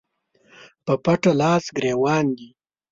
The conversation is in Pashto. په پټه لاس ګرېوان دي